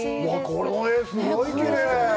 この絵、すごいきれい。